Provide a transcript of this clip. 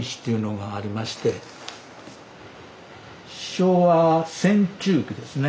昭和戦中記ですね。